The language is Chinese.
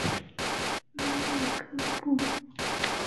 拉内科布。